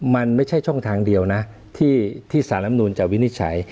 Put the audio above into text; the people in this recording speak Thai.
มันไม่ใช่ช่องทางเดียวนะที่สารลำนูนจะวินิจฉัย